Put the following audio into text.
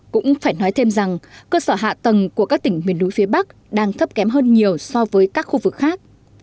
cũng phải nói thêm rằng cơ sở hạ tầng của các tỉnh miền núi phía bắc đang thấp kém hơn nhiều so với các khu vực khác